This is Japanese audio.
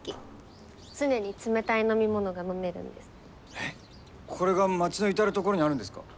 えっこれが街の至る所にあるんですか？